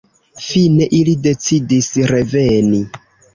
Fine ili decidis reveni.